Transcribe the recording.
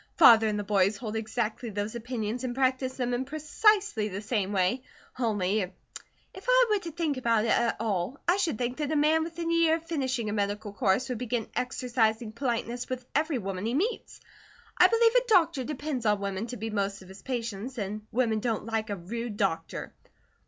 "Father and the boys hold exactly those opinions and practise them in precisely the same way; only if I were to think about it at all, I should think that a man within a year of finishing a medical course would begin exercising politeness with every woman he meets. I believe a doctor depends on women to be most of his patients, and women don't like a rude doctor."